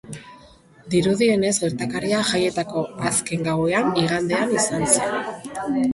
Dirudienez, gertakaria jaietako azken gauean, igandean, izan zen.